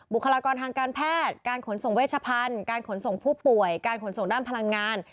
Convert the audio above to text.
บุคลากรทางการแพทย์การขนส่งเวชพันธุ์การขนส่งผู้ป่วยการขนส่งด้านพลังงาน